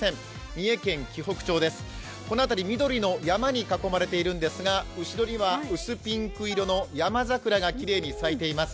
三重県紀北町です、この辺り、緑の山に囲まれているんですが後ろには薄ピンク色のヤマザクラがきれいに咲いています。